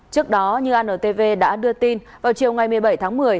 trước đó như antv đã đưa tin vào chiều ngày một mươi bảy tháng một mươi